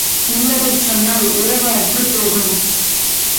உள்ளதைச் சொன்னால் உறவு அற்றுப் போகும்.